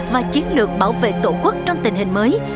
và chiến lược bảo vệ tổ quốc trong tình hình mới